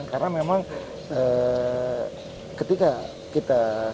karena memang ketika kita lillahi ta'ala kegiatan sosial